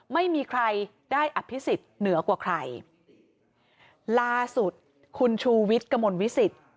ไม่มีใครได้อภิษฎเหนือกว่าใครล่าสุดคุณชูวิทย์กระมวลวิสิต